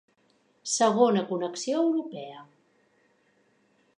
Segona connexió europea.